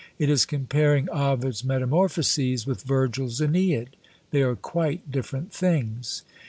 It is comparing "Ovid's Metamorphoses" with "Virgil's Æneid;" they are quite different things.